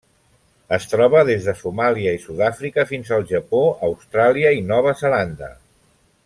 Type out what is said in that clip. Es troba des de Somàlia i Sud-àfrica fins al Japó, Austràlia i Nova Zelanda.